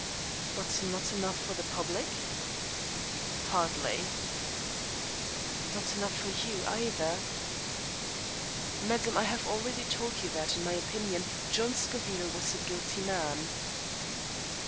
"But not enough for the public?" "Hardly." "Not enough for you, either?" "Madam, I have already told you that, in my opinion, John Scoville was a guilty man."